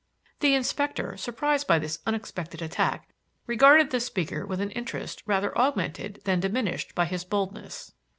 The Inspector, surprised by this unexpected attack, regarded the speaker with an interest rather augmented than diminished by his boldness.